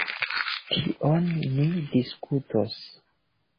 Tion ni diskutos.